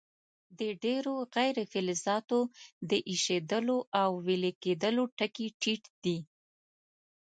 د ډیرو غیر فلزاتو د ایشېدلو او ویلي کیدلو ټکي ټیټ دي.